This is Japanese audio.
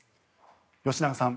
吉永さん